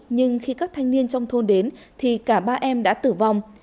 nhưng khi các thanh niên trong thôn đến thì cả ba em đã tử vong